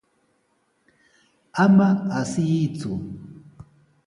Ama asiyku.